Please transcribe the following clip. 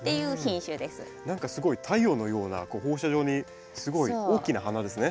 何かすごい太陽のような放射状にすごい大きな花ですね。